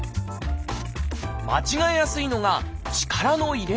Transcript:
間違えやすいのが力の入れすぎ。